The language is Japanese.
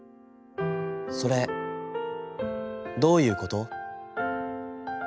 『それ、どういうこと』。